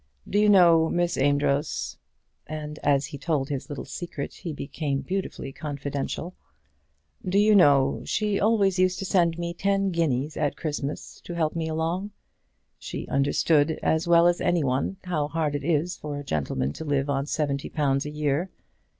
Do you know, Miss Amedroz," and as he told his little secret he became beautifully confidential; "do you know, she always used to send me ten guineas at Christmas to help me along. She understood, as well as any one, how hard it is for a gentleman to live on seventy pounds a year.